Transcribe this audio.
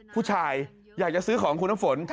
ผู้ชายอยากจะซื้อของคุณน้ำฝน